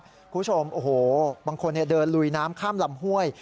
คุณผู้ชมโอ้โหบางคนเดินลุยน้ำข้ามลำห้วย